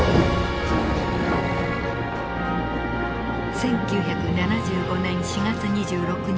１９７５年４月２６日。